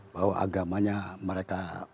bahwa agamanya mereka